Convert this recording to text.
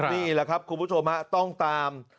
นี่แหละครับคุณผู้ชมฮะต้องตาม